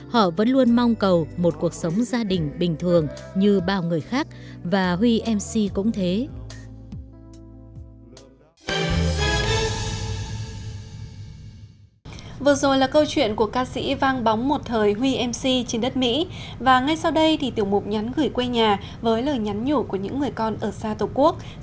họ vẫn luôn mong cầu một cuộc sống gia đình bình thường như bao người khác